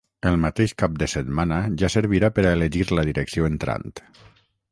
El mateix cap de setmana ja servirà per a elegir la direcció entrant.